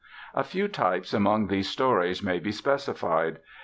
A few types among these stories may be specified.